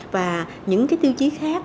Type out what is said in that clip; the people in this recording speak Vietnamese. và những tiêu chí khác